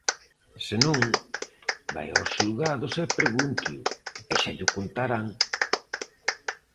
Senón, vaia aos xulgados e pregúnteo, e xa llo contarán.